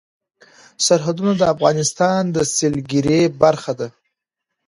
سرحدونه د افغانستان د سیلګرۍ برخه ده.